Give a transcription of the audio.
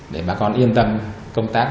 để bà con yên tâm công tác